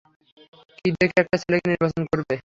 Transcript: কী দেখে একটা ছেলেকে নির্বাচন করবে?